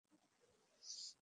তামার মুদ্রা বিরল ছিল।